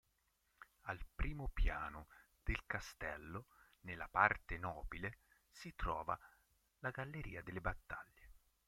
Al primo piano del castello, nella parte nobile, si trova la "Galleria delle battaglie".